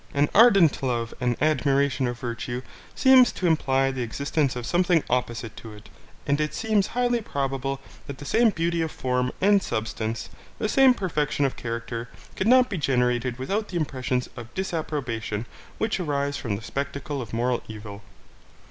An ardent love and admiration of virtue seems to imply the existence of something opposite to it, and it seems highly probable that the same beauty of form and substance, the same perfection of character, could not be generated without the impressions of disapprobation which arise from the spectacle of moral evil.